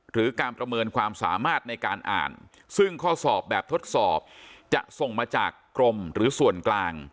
หรือการประเมินความสามารถในการอ่านซึ่งข้อสอบแบบทดสอบจะส่งมาจากกรมหรือส่วนกลาง